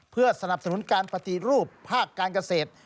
เพื่อสนับสนุนการปฏิรูปภาคการเกษตร